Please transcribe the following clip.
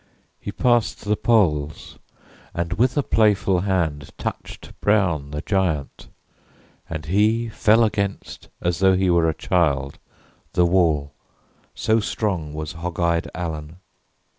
He passed the polls and with a playful hand Touched Brown, the giant, and he fell against, As though he were a child, the wall; so strong Was hog eyed Allen.